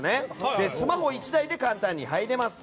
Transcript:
スマホ１台で簡単に入れます。